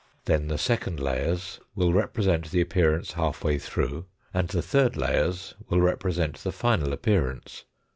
Then the second layers will represent the appearance half way through, and the third layers will represent the final appearance.